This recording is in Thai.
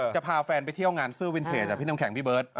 จะพาแฟนไปเที่ยวงานเสื้อวินเทจพี่น้ำแข็งพี่เบิร์ต